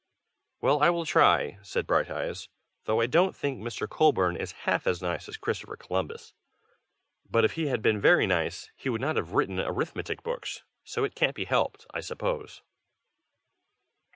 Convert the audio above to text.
"Well, I will try," said Brighteyes; "though I don't think Mr. Colburn is half as nice as Christopher Columbus. But if he had been very nice, he would not have written arithmetic books, so it can't be helped, I suppose."